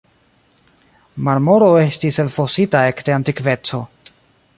Marmoro estis elfosita ekde antikveco.